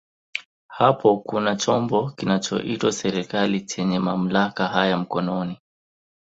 Hapo kuna chombo kinachoitwa serikali chenye mamlaka haya mkononi.